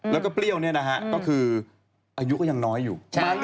แล้วก็เปรี้ยวเนี่ยนะฮะก็คืออายุก็ยังน้อยอยู่